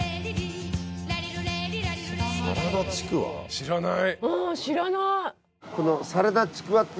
知らない。